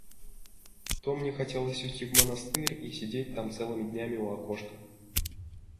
То мне хотелось уйти в монастырь, и сидеть там целыми днями у окошка.